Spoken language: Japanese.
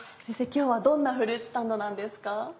今日はどんなフルーツサンドなんですか？